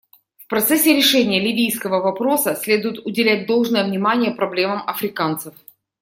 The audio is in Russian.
В процессе решения ливийского вопроса следует уделять должное внимание проблемам африканцев.